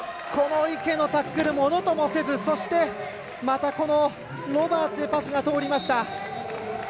池のタックルをものともせずそしてロバーツへパスが通りました。